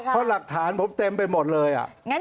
เพราะหลักฐานผมเต็มไปหมดเลย